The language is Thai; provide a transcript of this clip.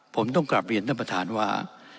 ผมต้องกลับเรียนท่านประธานว่า